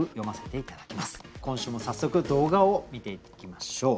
今週も早速動画を観ていきましょう。